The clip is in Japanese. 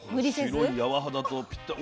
白い柔肌とぴったり。